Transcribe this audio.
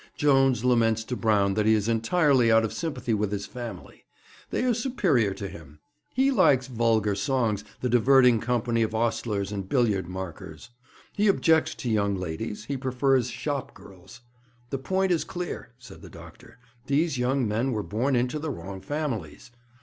Jones laments to Brown that he is entirely out of sympathy with his family. They are superior to him. He likes vulgar songs, the diverting company of ostlers and billiard markers. He objects to young ladies. He prefers shop girls. The point is clear,' said the doctor. 'These young men were born into the wrong families.